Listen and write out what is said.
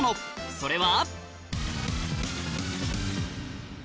それは。